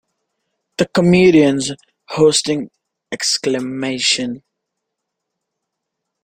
The comedians hosting Exclamation!